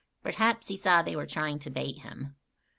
Perhaps he saw they were trying to bait him.